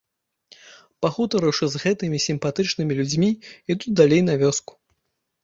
Пагутарыўшы з гэтымі сімпатычнымі людзьмі, іду далей на вёску.